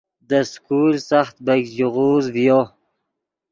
دے سکول سخت بیګ ژیغوز ڤیو